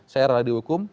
saya rela dihukum